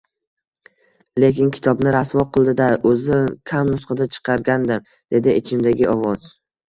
Lekin kitobni rasvo qildi-da, o`zi kam nusxada chiqargandim, dedi ichimdagi ovoz